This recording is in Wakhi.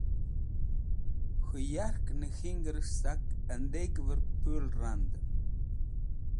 K̃hũ yark nẽk̃hingrẽs̃h sak andegvẽr pũl randẽn.